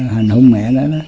hành hôn mẹ nó